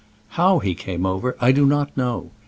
How he came over I do not know.